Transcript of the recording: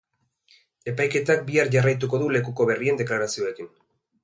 Epaiketak bihar jarraituko du lekuko berrien deklarazioekin.